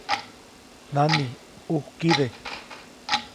¡Nani, ʼujkide!